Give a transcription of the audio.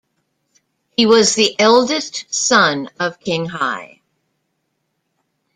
He was the eldest son of King Hye.